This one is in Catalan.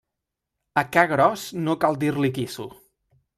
A ca gros no cal dir-li quisso.